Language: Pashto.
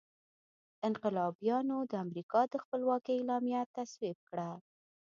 انقلابیانو د امریکا د خپلواکۍ اعلامیه تصویب کړه.